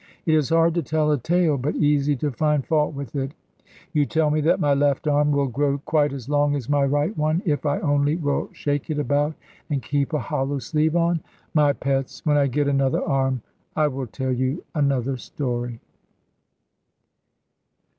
It is hard to tell a tale, but easy to find fault with it. You tell me that my left arm will grow quite as long as my right one, if I only will shake it about, and keep a hollow sleeve on. My pets, when I get another arm, I will tell you another story."